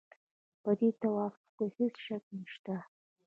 په دې توافق کې هېڅ شک نشته.